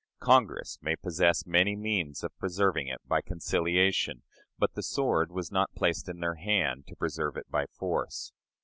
Congress may possess many means of preserving it by conciliation, but the sword was not placed in their hand to preserve it by force."